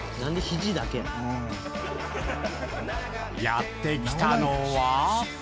やってきたのは？